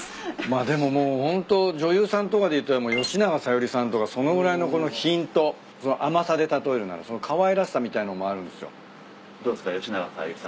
まあでももうホント女優さんとかでいったら吉永小百合さんとかそのぐらいのこの品とその甘さで例えるならかわいらしさみたいのもあるんすよ。